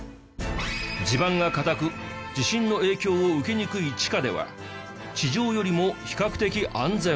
地盤が固く地震の影響を受けにくい地下では地上よりも比較的安全。